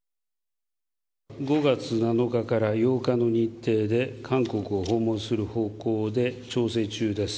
５月７日から８日の日程で、韓国を訪問する方向で調整中です。